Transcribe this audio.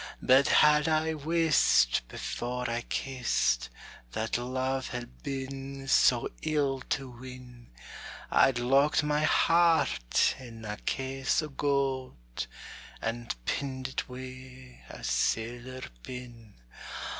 But had I wist before I kissed That love had been so ill to win, I 'd locked my heart in a case o' goud, And pinn'd it wi' a siller pin.